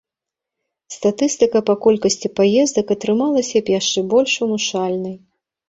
Статыстыка па колькасці паездак атрымалася б яшчэ больш унушальнай.